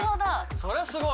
それはすごい。